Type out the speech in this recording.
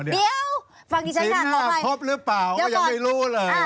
เดี๋ยวฟังดิฉันค่ะขออภัยศิลป์ครบหรือเปล่ายังไม่รู้เลย